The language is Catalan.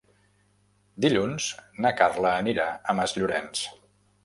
Dilluns na Carla anirà a Masllorenç.